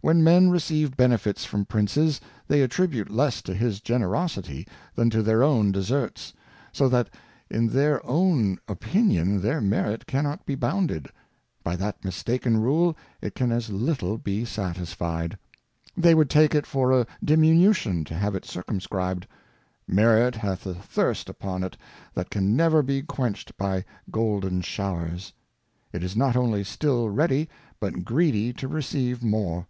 When Men receive Benefits from Princes, they attribute less to his Generosity than to their own Deserts ; so that in their own Opinion, their Merit cannot be bounded ; by that mistaken Rule, it can as little be satisfied. They would take it for a diminution to have it circumscribed. Merit hath a Thirst upon it that can never be quenched by golden Showers. It is not only still ready, but greedy to receive more.